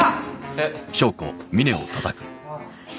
えっ？